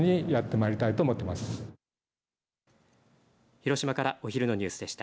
広島からお昼のニュースでした。